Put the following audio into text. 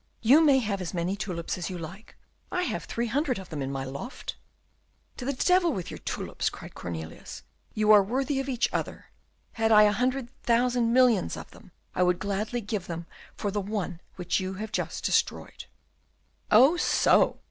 "You may have as many tulips as you like: I have three hundred of them in my loft." "To the devil with your tulips!" cried Cornelius; "you are worthy of each other: had I a hundred thousand millions of them, I would gladly give them for the one which you have just destroyed." "Oh, so!"